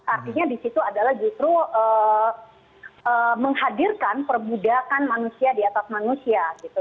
artinya di situ adalah justru menghadirkan perbudakan manusia di atas manusia gitu